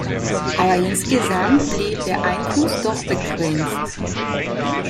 Aber insgesamt blieb der Einfluss doch begrenzt.